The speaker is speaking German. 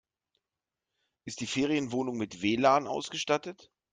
Ist die Ferienwohnung mit WLAN ausgestattet?